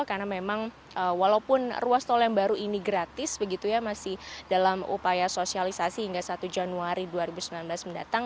karena memang walaupun ruas tol yang baru ini gratis begitu ya masih dalam upaya sosialisasi hingga satu januari dua ribu sembilan belas mendatang